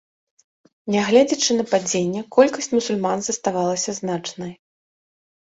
Нягледзячы на падзенне, колькасць мусульман заставалася значнай.